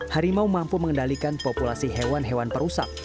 harimau mampu mengendalikan populasi hewan hewan perusak